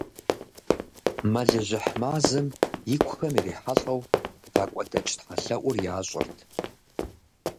Мэлыжьыхь мазэм икухэм ирихьэлӀэу, вакӀуэдэкӀ тхьэлъэӀур ящӀырт.